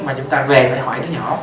mà chúng ta về lại hỏi đứa nhỏ